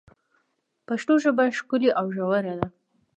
پښتو ژبه ښکلي او ژوره ده.